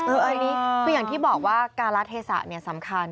อันนี้คืออย่างที่บอกว่าการละเทศะเนี่ยสำคัญ